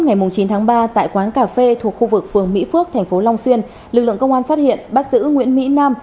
ngày chín tháng ba tại quán cà phê thuộc khu vực phường mỹ phước thành phố long xuyên lực lượng công an phát hiện bắt giữ nguyễn mỹ nam